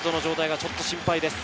ちょっと心配ですね。